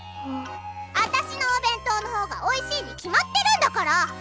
私のお弁当の方がおいしいに決まってるんだから。